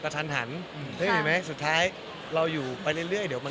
เค้าเตรียมไว้รังบริธีเรียบร้อย